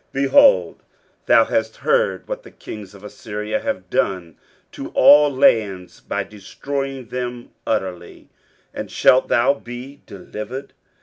23:037:011 Behold, thou hast heard what the kings of Assyria have done to all lands by destroying them utterly; and shalt thou be delivered?